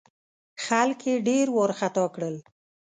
خلک یې ډېر وارخطا کړل.